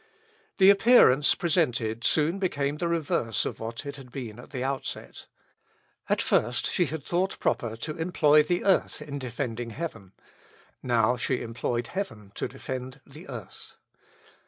The appearance presented soon became the reverse of what it had been at the outset. At first she had thought proper to employ the earth in defending heaven; now she employed heaven to defend the earth.